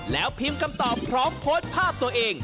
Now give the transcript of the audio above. แล้วพิมพ์คำตอบพร้อมโพสต์ภาพตัวเอง